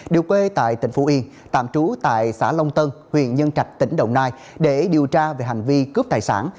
đều quê tại tỉnh phú yên tạm trú tại xã long tân huyện nhân trạch tỉnh đồng nai để điều tra về hành vi cướp tài sản